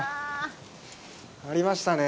ありましたね。